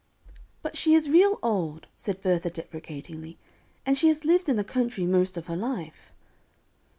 "But she is real old," said Bertha, deprecatingly, "and she has lived in the country most of her life."